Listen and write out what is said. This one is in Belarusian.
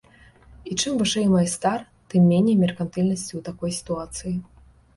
І чым вышэй майстар, тым меней меркантыльнасці ў такой сітуацыі.